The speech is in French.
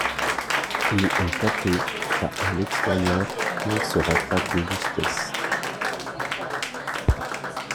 Il est happé à l'extérieur mais se rattrape de justesse.